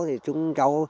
thì chúng cháu